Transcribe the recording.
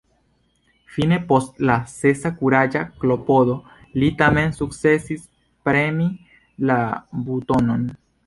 Fine, post la sesa kuraĝa klopodo, li tamen sukcesis premi la butonon.